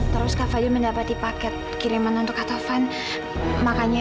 terus kapal mendapati paket kiriman untuk atovan makanya